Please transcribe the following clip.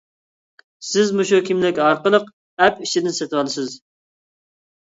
سىز مۇشۇ كىملىك ئارقىلىق ئەپ ئىچىدىن سېتىۋالىسىز.